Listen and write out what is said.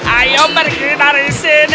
ayo pergi dari sini